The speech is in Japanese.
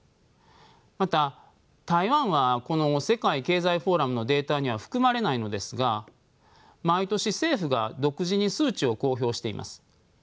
また台湾はこの世界経済フォーラムのデータには含まれないのですが毎年政府が独自に数値を公表しています。